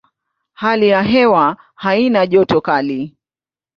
Hali ya hewa haina joto kali.